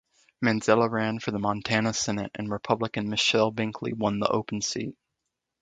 Manzella ran for the Montana Senate and Republican Michele Binkley won the open seat.